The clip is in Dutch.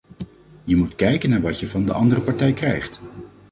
Je moet kijken naar wat je van de andere partij krijgt.